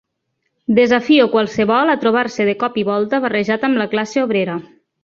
Desafio qualsevol a trobar-se de cop i volta barrejat amb la classe obrera